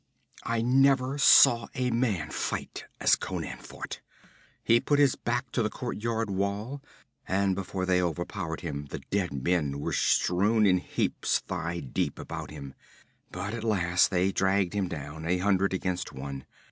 'I never saw a man fight as Conan fought. He put his back to the courtyard wall, and before they overpowered him the dead men were strewn in heaps thigh deep about him. But at last they dragged him down, a hundred against one.